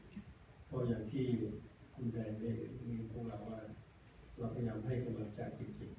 เพราะอย่างที่คุณแดนเบสมีคุณเราว่าเราพยายามให้คุณประจักษ์จริง